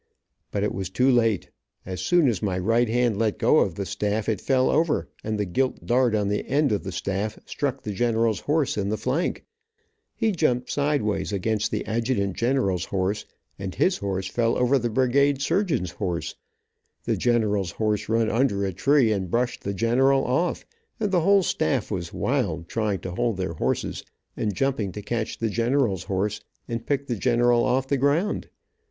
But it was too late. As soon as my right hand let go of the staff, it fell over and the gilt dart on the end of the staff struck the general's horse in the flank, he jumped sideways against the adjutant general's horse, and his horse fell over the brigade surgeon's horse, the general's horse run under a tree, and brushed the general off, and the whole staff was wild trying to hold their horses, and jumping to catch the general's horse, and pick the general off the ground.